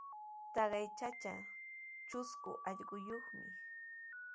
Taqay chacha trusku allquyuqmi.